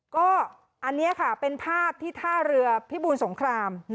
ก็อันนี้ค่ะเป็นภาพที่ท่าเรือพิบูรสงคราม